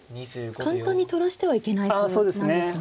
簡単に取らせてはいけないということなんですね。